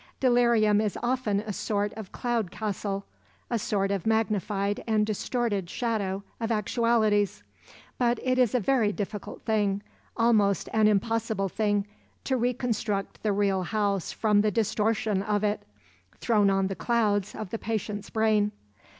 Delirium is often a sort of cloud castle, a sort of magnified and distorted shadow of actualities, but it is a very difficult thing, almost an impossible thing, to reconstruct the real house from the distortion of it, thrown on the clouds of the patient's brain.